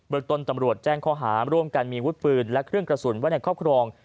ต้นตำรวจแจ้งข้อหาร่วมกันมีวุฒิปืนและเครื่องกระสุนไว้ในครอบครอง